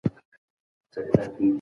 آرامي د انسان د روح د سکون لامل ده.